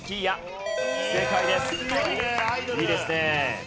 いいですね。